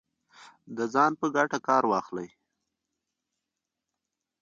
د ځان په ګټه کار واخلي